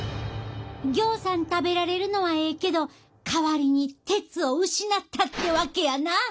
ぎょうさん食べられるのはええけど代わりに鉄を失ったってわけやな。